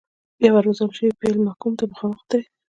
بیا به روزل شوی پیل محکوم ته مخامخ ودرېد.